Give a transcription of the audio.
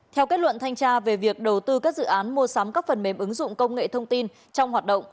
theo kết luận thanh tra về việc đầu tư các dự án mua sắm các phần mềm ứng dụng công nghệ thông tin trong hoạt động